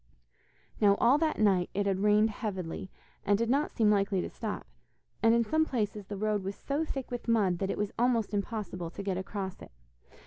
Now all that night it had rained heavily, and did not seem likely to stop, and in some places the road was so thick with mud that it was almost impossible to get across it.